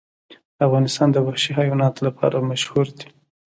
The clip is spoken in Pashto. افغانستان د وحشي حیواناتو لپاره مشهور دی.